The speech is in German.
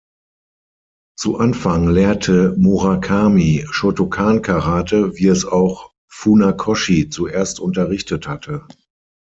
Zu Anfang lehrte Murakami Shōtōkan-Karate wie es auch Funakoshi zuerst unterrichtet hatte.